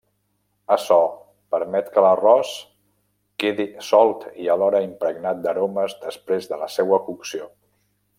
Açò permet que l'arròs quede solt i alhora, impregnat d'aromes després de la seua cocció.